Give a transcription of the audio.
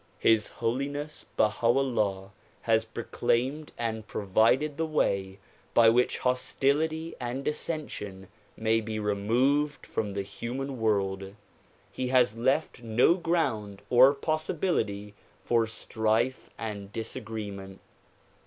His Holiness Baha 'Ullah has proclaimed and pro vided the way by which hostility and dissension may be removed from the human world. He has left no ground or possibility for strife and disagreement.